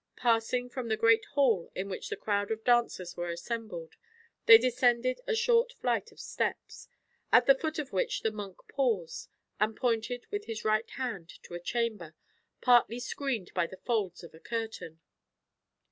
Passing from the great hall in which the crowd of dancers were assembled, they descended a short flight of steps, at the foot of which the monk paused, and pointed with his right hand to a chamber, partly screened by the folds of a curtain.